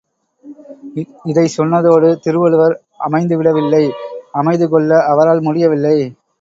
இதைச் சொன்னதோடு திருவள்ளுவர் அமைந்துவிடவில்லை அமைதிகொள்ள அவரால் முடிய வில்லை.